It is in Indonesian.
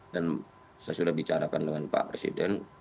dan saya sudah bicarakan dengan pak presiden